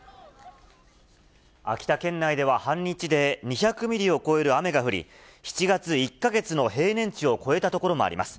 秋田県内では半日で２００ミリを超える雨が降り、７月１か月の平年値を超えた所もあります。